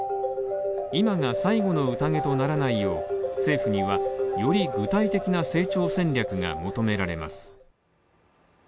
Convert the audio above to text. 今が最後のうたげとならないよう政府にはより具体的な成長戦略が求められます